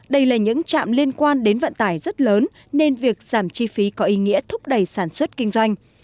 đây là những trạm liên quan đến vận tải rất lớn nên việc giảm chi phí có ý nghĩa thúc đẩy sản xuất kinh doanh